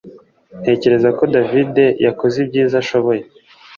Ntekereza ko David yakoze ibyiza ashoboye